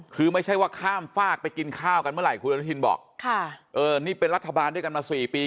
คือไม่ใช่ว่าข้ามฝากไปกินข้าวกันเมื่อไหร่คุณอนุทินบอกค่ะเออนี่เป็นรัฐบาลด้วยกันมาสี่ปี